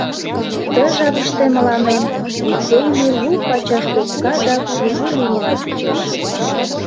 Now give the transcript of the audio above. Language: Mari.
— Ты жапыште мыланем Литейный лу пачаш лопка да кужу лиймыла чучеш.